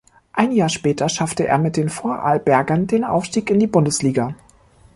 Ein Jahr später schaffte er mit den Vorarlbergern den Aufstieg in die Bundesliga.